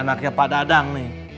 anaknya pak dadang nih